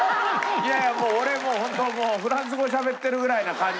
いやいや俺もうホントもうフランス語しゃべってるぐらいな感じ。